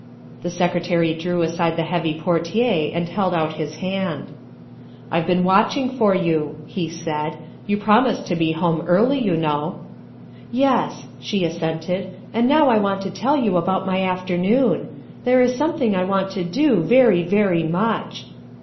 The Secretary drew aside the heavy portiere and held out his hand. " I Ve been watching for you, '' he said ;'' you prom ised to be home early, you know." " Yes," she assented, " and now I want to tell you 349 about my afternoon. There is something I want to do very, very much.